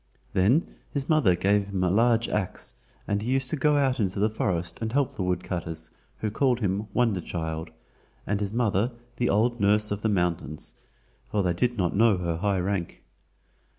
Then his mother gave him a large ax, and he used to go out in the forest and help the woodcutters, who called him "Wonder child," and his mother the "Old Nurse of the Mountains," for they did not know her high rank.